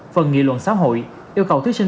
phần nghị luận xã hội yêu cầu thí sinh